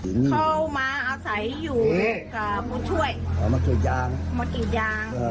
เข้ามาอาศัยอยู่กับบุ๊คช่วยมาย์มากคุยจางมากกี่จาง